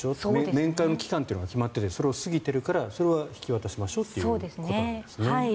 面会の期間が決まっていてそれを過ぎてるからそれは引き渡しましょうということなんですね。